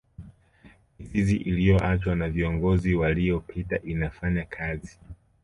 mizizi iliyoachwa na viongozi waliyopita inafanya kazi